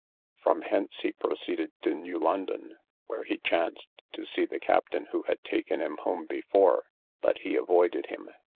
From hence he proceeded to New London, where he chanced to see the captain who had taken him home before, but he avoided him.